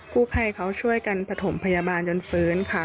คู่ไพรเขาช่วยกันผศมพยาบาลจนฟื้นค่ะ